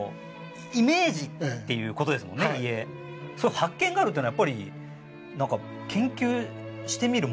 そういう発見があるっていうのはやっぱり研究してみるものですね。